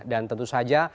dan tentu saja